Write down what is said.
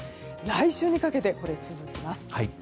来週にかけて続きます。